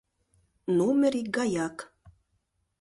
Номер икгаяк.